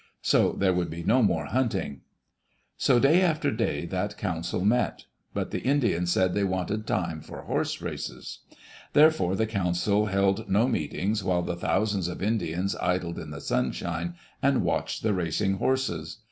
So there would be no more hunting. So day after day that council met. But the Indians said they wanted time for horse races. Therefore the council held no meetings while the thousands of Indians idled in the sunshine and watched the racing horses.